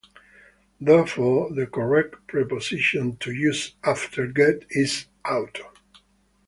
Therefore, the correct preposition to use after "get" is "out."